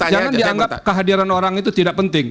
jangan dianggap kehadiran orang itu tidak penting